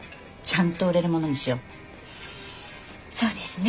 そうですね。